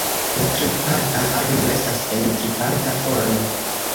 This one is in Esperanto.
La triparta ario estas en triparta formo.